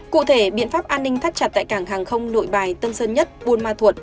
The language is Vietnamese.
cụ thể biện pháp an ninh thắt chặt tại cảng hàng không nội bài tân sơn nhất buôn ma thuột